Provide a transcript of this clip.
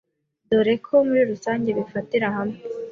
dore ko muri rusange bifatira hamwe